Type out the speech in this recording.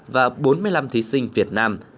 và bốn mươi năm thí sinh việt nam